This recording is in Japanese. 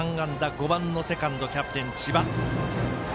５番のセカンドキャプテン、千葉。